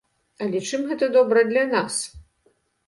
Але чым гэта добра для нас?